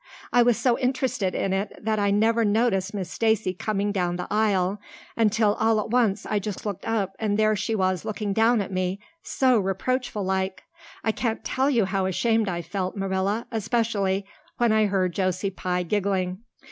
I was so interested in it that I never noticed Miss Stacy coming down the aisle until all at once I just looked up and there she was looking down at me, so reproachful like. I can't tell you how ashamed I felt, Marilla, especially when I heard Josie Pye giggling.